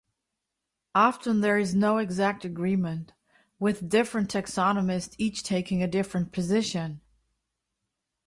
Often there is no exact agreement, with different taxonomists each taking a different position.